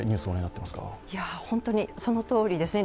本当にそのとおりですね。